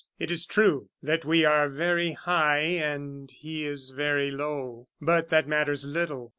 It is true that we are very high and he is very low, but that matters little.